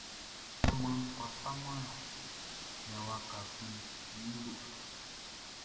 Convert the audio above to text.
Anumanʼn kwlá faman ya waka kun wun le.